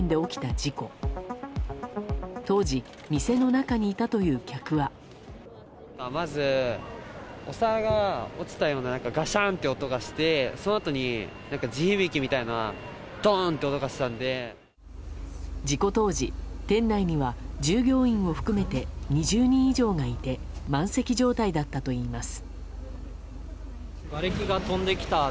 事故当時、店内には従業員を含めて２０人以上がいて満席状態だったといいます。